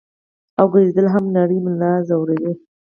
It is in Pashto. او ګرځېدل هم نرۍ ملا زوري -